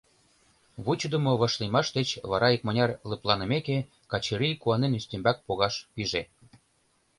Вучыдымо вашлиймаш деч вара икмыняр лыпланымеке Качырий куанен ӱстембак погаш пиже.